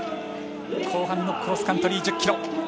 後半のクロスカントリー１０ｋｍ。